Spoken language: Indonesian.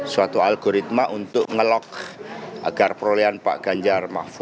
suatu algoritma untuk ngelok agar perolehan pak ganjar mahfud